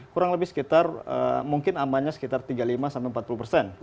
kurang lebih sekitar mungkin amannya sekitar tiga puluh lima sampai empat puluh persen